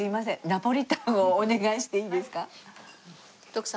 ナポリタンをお願いしていいですか？